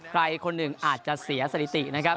ใครคนหนึ่งอาจจะเสียสถิตินะครับ